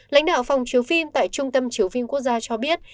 lãnh đạo phòng chiếu phim tại trung tâm chiếu phim quốc gia cho biết